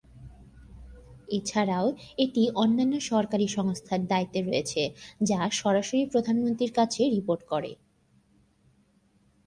এছাড়াও, এটি অন্যান্য সরকারী সংস্থার দায়িত্বে রয়েছে, যা সরাসরি প্রধানমন্ত্রীর কাছে রিপোর্ট করে।